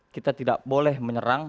kita tidak boleh menyerang